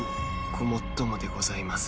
ごもっともでございます